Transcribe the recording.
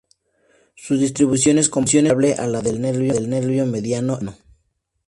Su distribución es comparable a la del nervio mediano en la mano.